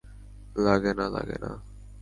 লাগে না, লাগে না!